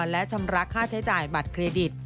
และชำระค่าใช้จ่ายบัตรเครดิต